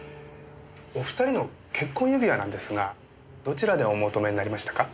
お二人の結婚指輪なんですがどちらでお求めになりましたか？